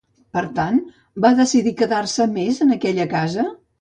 Per tant, va decidir quedar-se més en aquella casa?